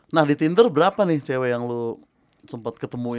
nah di tinder berapa nih cewek yang lo sempet ketemuin gitu